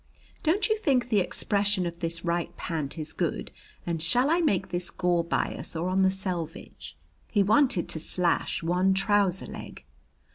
Don't you think the expression of this right pant is good? And shall I make this gore bias or on the selvage?" He wanted to slash one trouser leg.